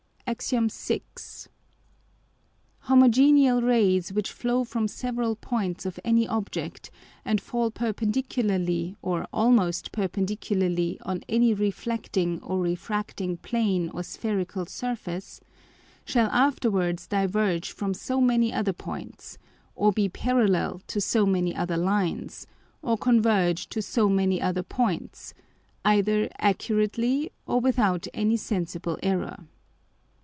[Illustration: FIG. 3.] AX. VI. _Homogeneal Rays which flow from several Points of any Object, and fall perpendicularly or almost perpendicularly on any reflecting or refracting Plane or spherical Surface, shall afterwards diverge from so many other Points, or be parallel to so many other Lines, or converge to so many other Points, either accurately or without any sensible Error.